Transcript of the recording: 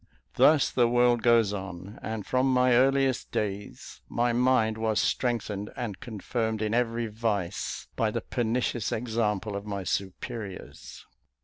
Thus the world goes on; and from my earliest days, my mind was strengthened and confirmed in every vice by the pernicious example of my superiors.